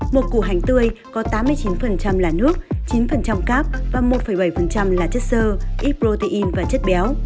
một củ hành tươi có tám mươi chín là nước chín cáp và một bảy là chất sơ ít protein và chất béo